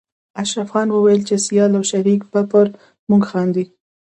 اشرف خان ويل چې سيال او شريک به پر موږ خاندي